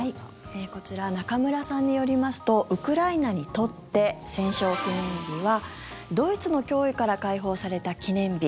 こちら中村さんによりますとウクライナにとって戦勝記念日はドイツの脅威から解放された記念日。